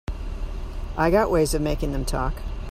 I got ways of making them talk.